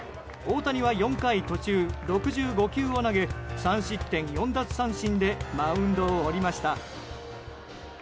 大谷は４回途中６５球を投げ３失点４奪三振でマウンドを降りました。